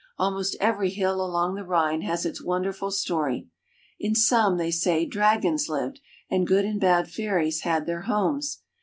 Al most every hill along the Rhine has its wonderful story. In some, they say, dragons lived and good and bad fairies had their homes.